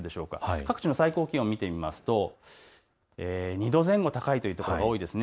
各地の最高気温を見てみますと２度前後高いというところが多いですね。